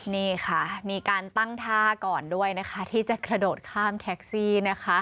นี่ค่ะมีการตั้งท่าก่อนด้วยนะคะที่จะกระโดดข้ามแท็กซี่นะคะ